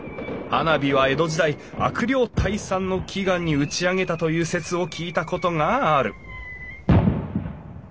花火は江戸時代悪霊退散の祈願に打ち上げたという説を聞いたことがある！